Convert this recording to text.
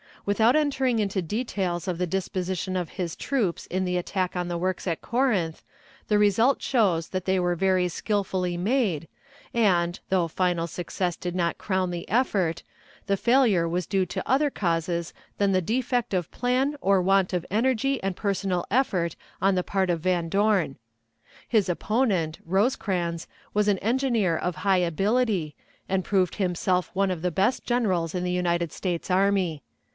Without entering into details of the disposition of his troops in the attack on the works at Corinth, the result shows that they were skillfully made, and, though final success did not crown the effort, the failure was due to other causes than the defect of plan or want of energy and personal effort on the part of Van Dorn. His opponent, Rosecrans, was an engineer of high ability, and proved himself one of the best generals in the United States Army.